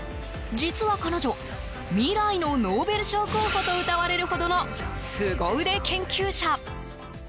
実は彼女未来のノーベル賞候補とうたわれるほどのスゴ腕研究者。